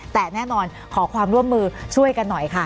แต่แน่นอนขอความร่วมมือช่วยกันหน่อยค่ะ